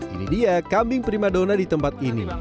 ini dia kambing primadona di tempat ini